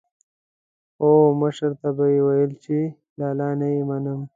او مشر ته به یې ويل چې لالا نه يې منم.